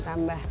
ya tambah sedap